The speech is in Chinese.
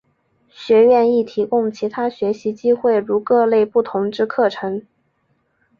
学院亦提供其他学习机会如各类不同之课程。